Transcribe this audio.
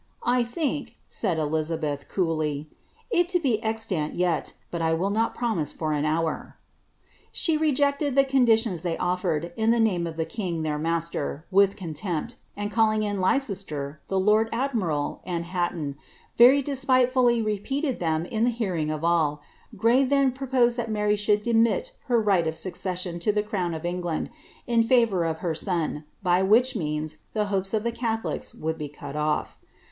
" I think," said Eln beih, coolly, " it be extant yet, but I will not promise for an hour."' She rejected the conditions they offered, in the name of the kit (heir master, with contempt, and calling in Leicester, the lord admit and Haiton, very despiiefully repeated them in the hearing of them i Gray then proposed that Mary should demil her right of succession the crown of England, in favour of her son, by which means the hof of the catholics would be cut off.